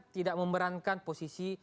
tidak memerankan posisi